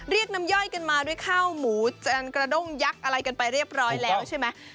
เรียกน้ำย่อยกันมาด้วยข้าวหมูกระด้งยักษ์อะไรกันไปเรียบร้อยแล้วใช่ไหม